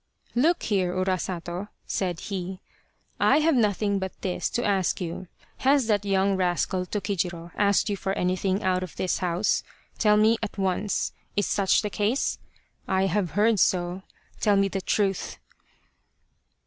" Look here, Urasato," said he, " I have nothing but this to ask you. Has that young rascal Tokijiro asked you for anything out of this house tell me at H7 Urasato, or the Crow of Dawn once is such the case ? I have heard so tell me the truth